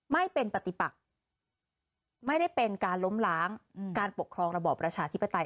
ไม่เป็นปฏิปักไม่ได้เป็นการล้มล้างการปกครองระบอบประชาธิปไตย